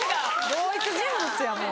同一人物やんもう。